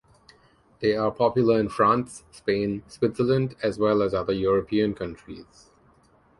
They are popular in France, Spain, Switzerland as well as other European countries.